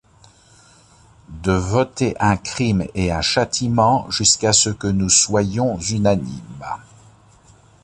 De voter un crime et un châtiment jusqu'à ce que nous soyons unanimes.